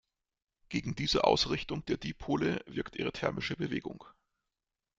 Gegen diese Ausrichtung der Dipole wirkt ihre thermische Bewegung.